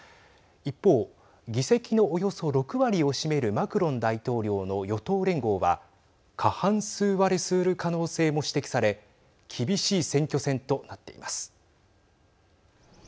一方、議席のおよそ６割を占めるマクロン大統領の与党連合は過半数割れする可能性も指摘され厳しい選挙戦となっています。